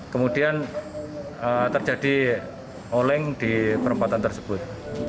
kemudian terjadi oleng di perempatan tersebut